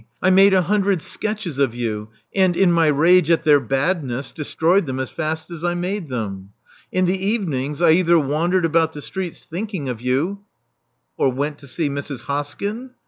I made a hundred sketches of you, and, in my rage at their badness, destroyed them as fast as I made them. In the evenings, I either wandered about the streets thinking of you Or went to see Mrs. Hoskyn?"